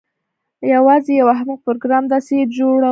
یوازې یو احمق پروګرامر داسې بم جوړولی شي